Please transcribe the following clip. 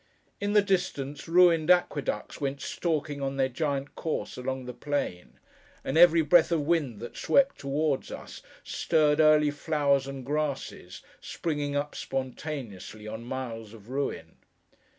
In the distance, ruined aqueducts went stalking on their giant course along the plain; and every breath of wind that swept towards us, stirred early flowers and grasses, springing up, spontaneously, on miles of ruin.